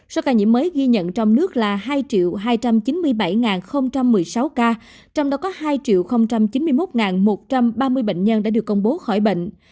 số ca nhiễm mới ghi nhận trong nước là hai hai trăm chín mươi bảy một mươi sáu ca trong đó có hai chín mươi một một trăm ba mươi bệnh nhân đã được công bố khỏi bệnh